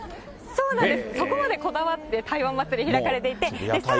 そうなんです。